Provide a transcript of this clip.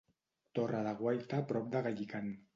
Torre de guaita prop de Gallicant.